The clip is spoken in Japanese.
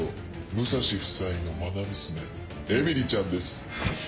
武蔵夫妻のまな娘えみりちゃんです。